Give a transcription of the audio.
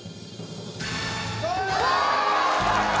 うわ！